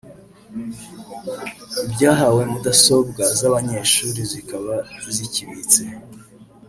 ibyahawe mudasobwa z’abanyeshuri zikaba zikibitse